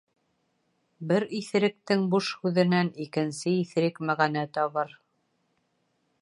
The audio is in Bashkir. Бер иҫеректең буш һүҙенән икенсе иҫерек мәғәнә табыр.